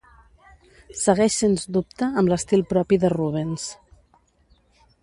Segueix sens dubte amb l'estil propi de Rubens.